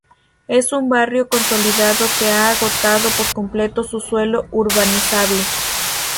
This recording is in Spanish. Es un barrio consolidado que ha agotado por completo su suelo urbanizable.